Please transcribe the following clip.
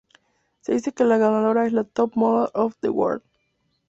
Se dice que la ganadora es la "Top Model of the World".